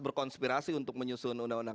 berkonspirasi untuk menyusun undang undang